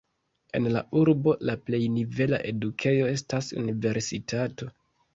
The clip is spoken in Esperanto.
En la urbo la plej nivela edukejo estas universitato.